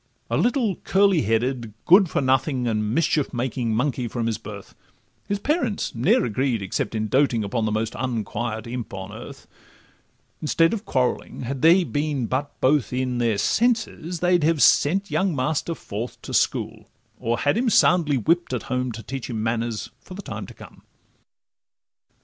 A little curly headed, good for nothing, And mischief making monkey from his birth; His parents ne'er agreed except in doting Upon the most unquiet imp on earth; Instead of quarrelling, had they been but both in Their senses, they'd have sent young master forth To school, or had him soundly whipp'd at home, To teach him manners for the time to come.